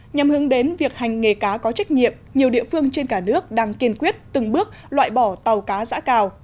nhằm hướng đến việc hành nghề cá có trách nhiệm nhiều địa phương trên cả nước đang kiên quyết từng bước loại bỏ tàu cá giã cào